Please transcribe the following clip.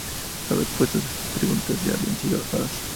Las respuestas a estas preguntas ya habían sido dadas.